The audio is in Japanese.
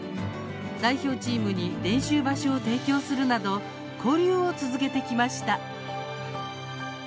代表チームに練習場所を提供するなど、交流を続けてきました。